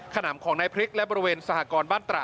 ขนำของนายพริกและบริเวณสหกรบ้านตระ